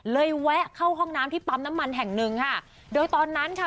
แวะเข้าห้องน้ำที่ปั๊มน้ำมันแห่งหนึ่งค่ะโดยตอนนั้นค่ะ